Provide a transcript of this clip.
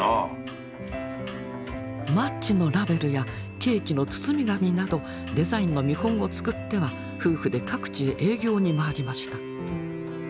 マッチのラベルやケーキの包み紙などデザインの見本を作っては夫婦で各地へ営業に回りました。